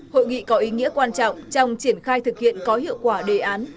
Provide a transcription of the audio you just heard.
hội nghị có ý nghĩa quan trọng trong triển khai thực hiện có hiệu quả đề án